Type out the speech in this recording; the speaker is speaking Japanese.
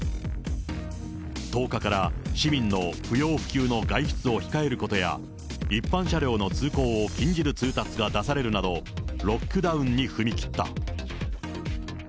１０日から市民の不要不急の外出を控えることや、一般車両の通行を禁じる通達が出されるなど、ロックダウンに踏み切った。